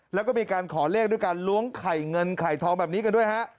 แล้วก็มีการขอเลขด้วยการล้วงไข่เงินไข่ทองแบบนี้กันด้วยฮะ